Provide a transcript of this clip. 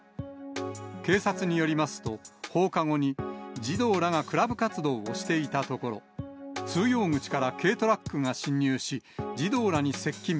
警察によりますと、放課後に児童らがクラブ活動をしていたところ、通用口から軽トラックが侵入し、児童らに接近。